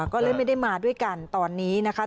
ก็เลยไม่ได้มาด้วยกันตอนนี้นะคะ